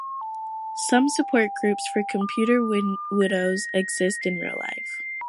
Some support groups for computer widows exist in real life.